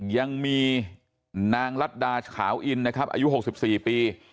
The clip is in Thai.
ยังมีนางรัดดาขาวอินนะครับอายุหกสิบสี่ปี